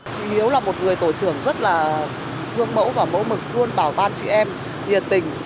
chị hiếu là một người tổ trưởng rất là gương mẫu và mẫu mực luôn bảo ban chị em nhiệt tình